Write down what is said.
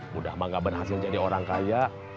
mudah menggabar hasil jadi orang kaya